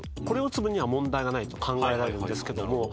これを打つ分には問題がないと考えられるんですけども